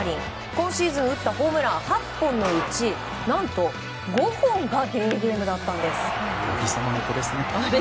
今シーズン打ったホームラン８本のうち、何と５本がデーゲームだったんです。